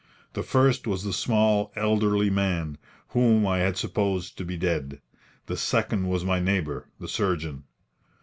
The first was the small, elderly man, whom I had supposed to be dead; the second was my neighbour, the surgeon.